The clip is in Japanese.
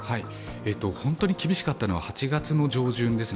本当に厳しかったのは８月上旬ですね